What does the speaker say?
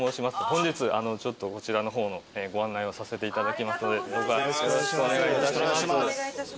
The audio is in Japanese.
本日こちらの方のご案内をさせていただきますのでよろしくお願いいたします。